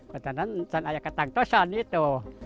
karena saya ketentusan itu